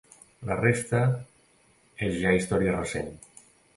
La resta és ja història recent.